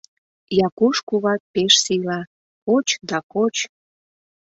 Якуш кува пеш сийла: коч да коч.